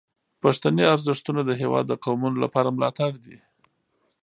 پښتني ارزښتونه د هیواد د قومونو لپاره ملاتړ دي.